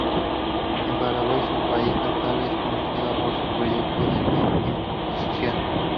En Paraguay, su país natal, es conocida por sus proyectos de impacto social.